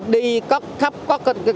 đi khắp khu dân cư có cái thùng